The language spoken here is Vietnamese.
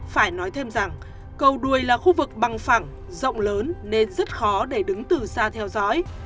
phải nói thêm rằng cầu đuôi là khu vực bằng phẳng rộng lớn nên rất khó để đứng từ xa theo dõi